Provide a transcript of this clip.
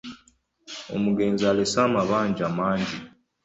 Omugenzi alese amabanja mangi.